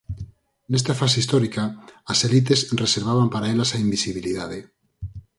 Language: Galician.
Nesta fase histórica, as elites reservaban para elas a invisibilidade.